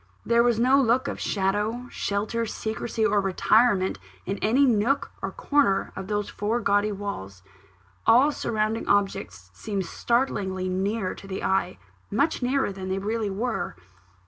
There was no look of shadow, shelter, secrecy, or retirement in any one nook or corner of those four gaudy walls. All surrounding objects seemed startlingly near to the eye; much nearer than they really were.